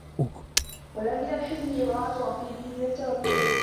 وَلَا مِنْ الْحَزْمِ إضَاعَةُ نَصِيبِهِ مِنْ التَّوَكُّلِ